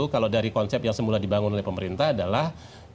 kalau dari konsep yang semula dibangun oleh pemerintah adalah